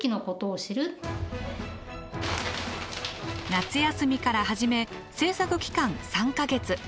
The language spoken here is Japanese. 夏休みから始め制作期間３か月。